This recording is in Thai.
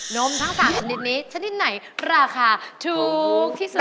มทั้ง๓ชนิดนี้ชนิดไหนราคาถูกที่สุด